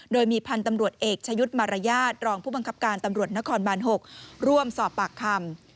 โดยมีพันธุ์ตำรวจเอกชะยุทธ์มารยาทรองผู้บังคับการตำรวจนครบาน๖ร่วมสอบปากคำ